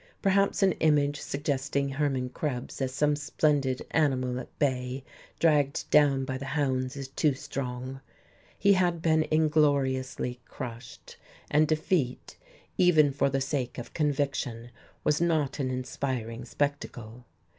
Perhaps an image suggesting Hermann Krebs as some splendid animal at bay, dragged down by the hounds, is too strong: he had been ingloriously crushed, and defeat, even for the sake of conviction, was not an inspiring spectacle....